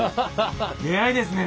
「出会いですね」